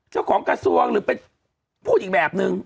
เจ้าของกระทรวงหรือเป็นผู้หญิงแบบหนึ่ง